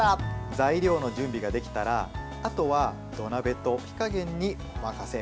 材料の準備ができたらあとは土鍋と火加減にお任せ。